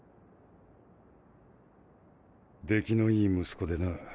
出来のいい息子でな。